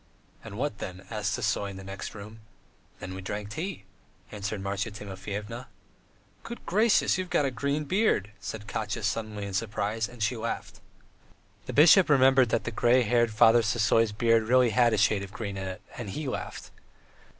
"And what then?" asked Sisoy in the next room. "Then we drank tea ..." answered Marya Timofyevna. "Good gracious, you've got a green beard," said Katya suddenly in surprise, and she laughed. The bishop remembered that the grey headed Father Sisoy's beard really had a shade of green in it, and he laughed.